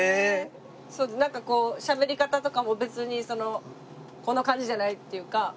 なんかこうしゃべり方とかも別にそのこの感じじゃないっていうか。